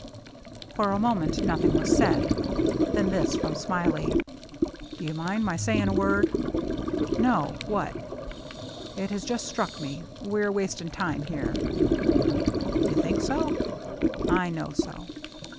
For a moment nothing was said ; then this from Smiley, " Do you mind my saying a word ?" "No. What?" " It has just struck me — we are wasting time here." "You think so ?••" I know so."